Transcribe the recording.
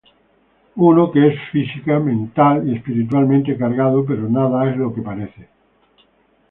Uno que es física, mental y espiritualmente cargado pero nada es lo que parece.